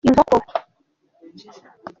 inkoko.